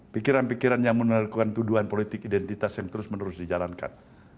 pikiran pikiran yang menerkukan tuduhan politik identitas yang terus menerus dijalankan